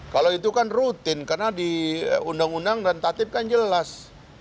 kalau itu kan rutin karena di undang undang dan tatip kan jelas